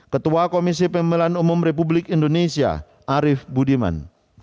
ketua komisi pemilihan umum republik indonesia arief budiman